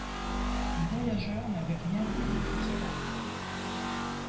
Le voyageur n’avait rien vu de tout cela.